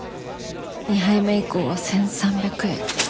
２杯目以降は １，３００ 円